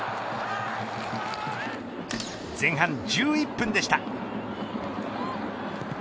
前半１１分でした。